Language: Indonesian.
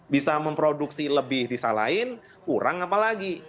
bisa memproduksi lebih di salah lain kurang apa lagi